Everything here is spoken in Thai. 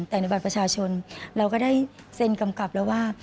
แต่ในบัตรประชาชนเราก็ได้เซ็นกำกับแล้วว่า